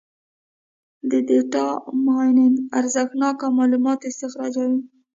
د ډیټا مایننګ ارزښتناکه معلومات استخراجوي.